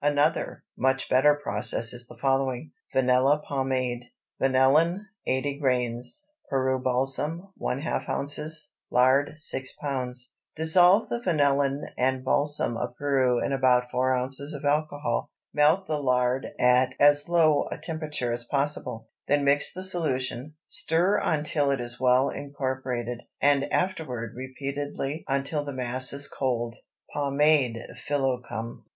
Another, much better process is the following: VANILLA POMADE. Vanillin 80 grains. Peru balsam ½ oz. Lard 6 lb. Dissolve the vanillin and balsam of Peru in about 4 oz. of alcohol. Melt the lard at as low a temperature as possible, then add the solution, stir until it is well incorporated, and afterward repeatedly until the mass is cold. POMADE PHILOCOME.